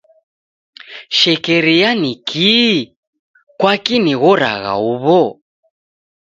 Shekeria ni kii? Kwaki nighoragha huw'o?